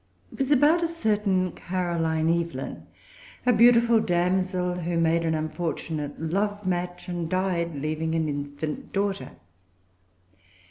It was about a certain Caroline Evelyn, a beautiful damsel who made an unfortunate love match, and died, leaving an infant daughter.